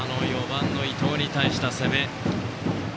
４番の伊藤に対しての攻め。